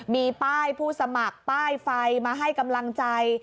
มีป้ายผู้สมัครป้ายไฟมาให้กำลังใจ